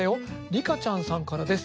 りかちゃんさんからです。